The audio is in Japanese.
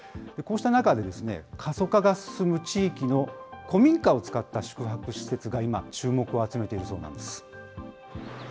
こうした中、過疎化が進む地域の古民家を使った宿泊施設が今、注目を集めているそうなんです。